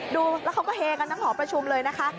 ดูแล้วเขาก็เฮกันทั้งหอประชุมเลยนะคะ